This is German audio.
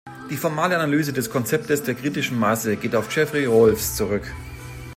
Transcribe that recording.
Die formale Analyse des Konzeptes der kritischen Masse, geht auf Jeffrey Rohlfs zurück.